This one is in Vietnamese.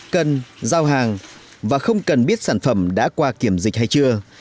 cần giao hàng và không cần biết sản phẩm đã qua kiểm dịch hay chưa